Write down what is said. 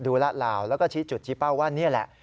ละลาวแล้วก็ชี้จุดชี้เป้าว่านี่แหละ